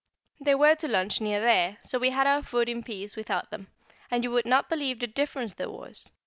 They were to lunch near there, so we had our food in peace without them, and you would not believe the difference there was!